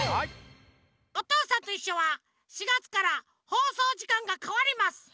「おとうさんといっしょ」は４がつからほうそうじかんがかわります。